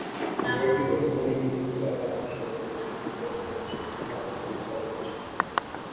নেটওয়ার্কটি বর্তমানে Europe, Japan, Asia ও ল্যাটিন আমেরিকা সহ বিশ্বের বিভিন্ন অংশ জুড়ে বিস্তার লাভ করেছে।